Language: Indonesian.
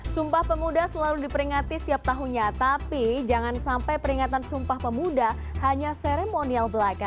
sumpah pemuda selalu diperingati setiap tahunnya tapi jangan sampai peringatan sumpah pemuda hanya seremonial belaka